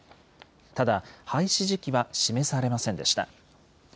ただ廃止時期は示されませんでした。